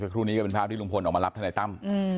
ครูนี้ก็เป็นภาพที่ลุงพลออกมารับทนายตั้ม